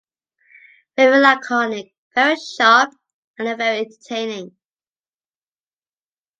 Very laconic, very sharp and very entertaining.